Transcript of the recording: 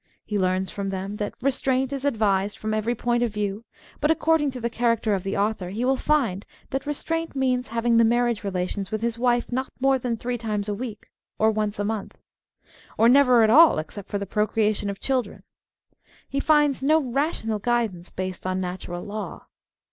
He learns from them that " restraint " is advised from every point of view, but according to the character of the author he will find Woman's "Contrariness" ^7 that " restraint " means having the marriage relations with his wife not more than three times a week, or once a month — or never at all except for the procrea tion of children. He finds no rational guidance based on natural law.